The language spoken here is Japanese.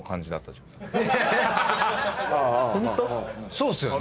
そうっすよね？